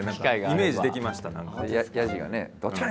イメージできました何か。